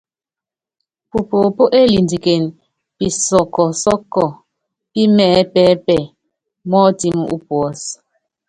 Pupoopó élindiken pisɔ́ɔ́ kɔsɔ́ɔ́kɔ pí mɛɛ́pɛ́pɛ bɔ́ ɔtɛ́m ú puɔ́s.